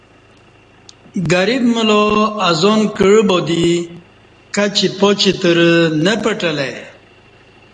گریب ملا اذان کعبا دی کچی پاچترنہ پٹلہ ای